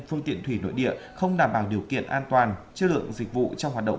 phương tiện thủy nội địa không đảm bảo điều kiện an toàn chất lượng dịch vụ trong hoạt động